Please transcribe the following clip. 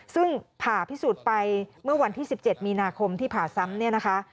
ซึ่งผ่าพิสูจน์ไปเมื่อวันที่๑๗มีนาคมที่ผ่าซ้ำเนี่ยนะคะ